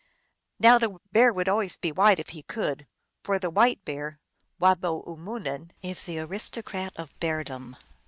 " Now the Bear would always be white if he could, for the White Bear (wabeyu mooin) is the aristocrat of Beardom.